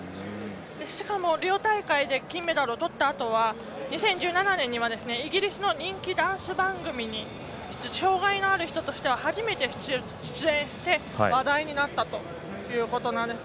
しかもリオ大会で金メダルをとったあとは２０１７年にはイギリスの人気ダンス番組に障がいのある人としては初めて出演して話題になったということなんです。